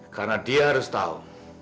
karena dia harus tahu